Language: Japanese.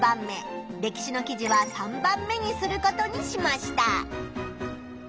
歴史の記事は３番目にすることにしました。